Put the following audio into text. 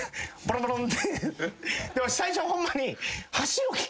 わし最初ホンマに。